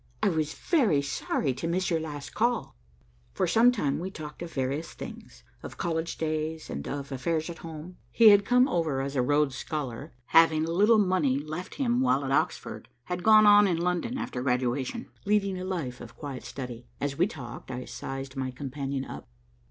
"I was very sorry to miss your last call." For some time we talked of various things, of college days, and of affairs at home. He had come over as a Rhodes scholar and, having a little money left him while at Oxford, had gone on in London after graduation, leading a life of quiet study. As we talked, I sized my companion up.